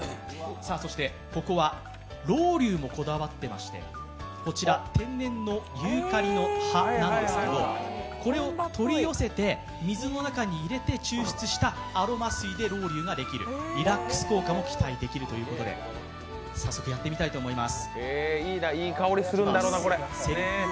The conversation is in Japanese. そして、ここはロウリュもこだわっていまして、こちら、天然のユーカリの葉なんですけどこれを取り寄せて水の中に入れて抽出したアロマ水でロウリュができる、リラックス効果も期待できるということで早速やってみたいと思います。